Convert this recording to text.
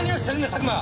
佐久間。